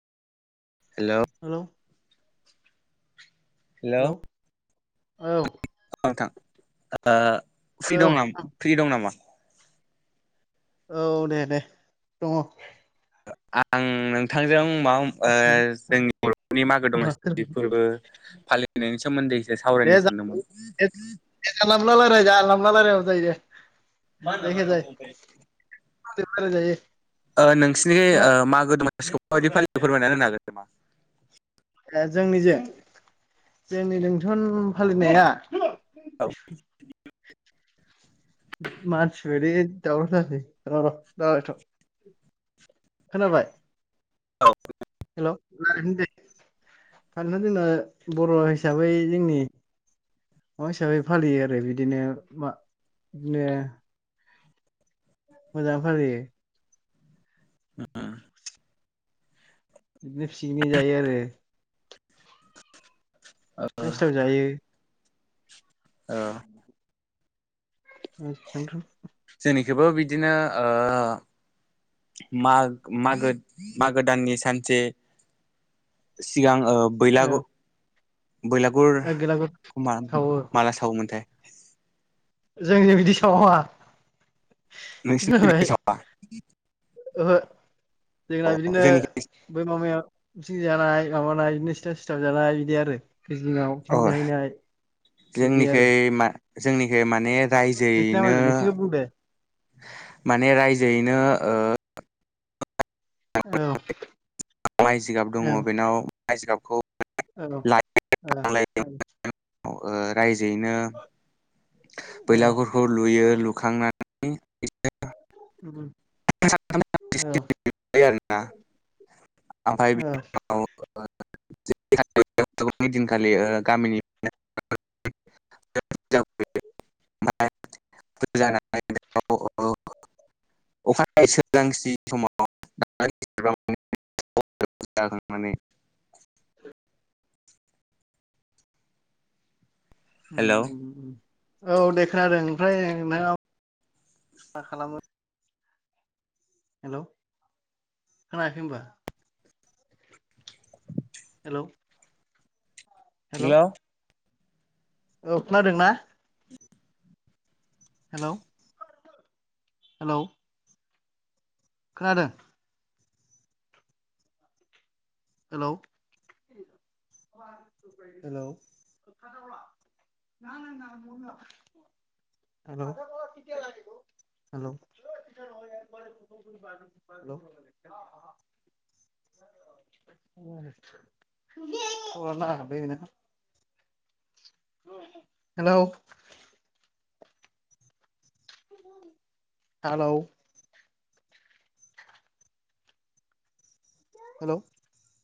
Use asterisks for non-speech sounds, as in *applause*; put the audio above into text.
Hello hello औ ओ free दं औ नामा फ्रि दं नामा औ दे दे दङ आं नोंथांजों मा ओ जोंनि बर' नि मागो दमासि फोरबो फालिनायनि सोमोन्दैसो दे सावरायनो सानदोंमोन जानला मोनला रायलाय जानला मोनला रायलायबाबो जायो जायखिया जाया *unintelligible* *unintelligible* ओ नोंसिनि खोना मागो दमासिखौ माबायदि फालिनाय फोरमायना होनो हागोन नामा ए जोंनि जे जोंनि बेंथन फालिनाया मानसि *unintelligible* खोनाबाय औ दे दारथ' जोंना बर‌' रि‌हा हिसाबै मा हिसाबै फालियो आरो बिदिनो मा बिदिनो मोजां फालियो होम बिदिनो पिकनिक जायो आरो सिथाव जायो। ओ *inaudible* *inaudible* जोंनिखौबो बिदिनो ओ मागो मागो दाननि सानसे सिगां ओ औ बैलाग बैलागुर ओ बेलागुर सावो माला सावोमोनथाय? जोंनि बिदि सावा। खोनाबाय नोंसिनिथिं सावया? ओहो जोंना बिदिनो जोंनिखै बै माबा जानाय माबानाय बिदिनो सिथाव सिथाब जानाय बिदि आरो दै जिङाव अ पिकनिक जाहैनाय बिदि जोंनिखै आरो मा जोंनिखै माने नोंसिना रायजोयैनो मालाय नोंसिनिखौ बुंदो माने रायजोयैनो ओ औ औ माइ जिगाब औ दङ बेनाव माइ जिगाबखौ औ लायखांनायनि औ रायजोयैनो बैलागुरखौ लुयो लुखांनानै *inaudible* औ आरो ना *inaudible* दिनखालि गामिनि *inaudible* अखा नायै सोरांसि समाव *inaudible* *inaudible* उम हेलौ उम उम औ दे खोनादों ओमफ्राय नोंथाङा मा खालामो? हेल' खोनायाखै होनबा? हेलौ हेल' खोनादोंना? हेल' हेल' खोनादों? हेल' हेल' *inaudible* हेल' *inaudible* *inaudible* *inaudible* हेल' हेल' हेल'